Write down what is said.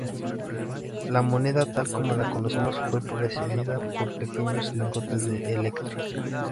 La moneda, tal como la conocemos, fue precedida por pequeños lingotes de electro.